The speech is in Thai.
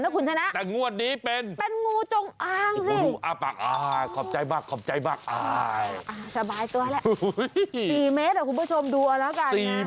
อ้าวดูอ้าปากอ้าวขอบใจมากคุณผู้ชมดูน่ะแล้วกัน